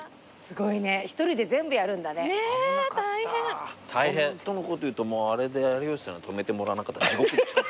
ホントのこと言うとあれで有吉さんが止めてもらわなかったら地獄でした。